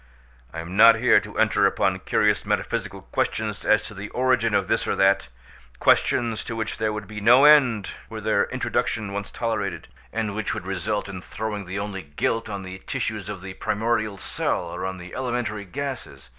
I am not here to enter upon curious metaphysical questions as to the origin of this or that—questions to which there would be no end were their introduction once tolerated, and which would result in throwing the only guilt on the tissues of the primordial cell, or on the elementary gases.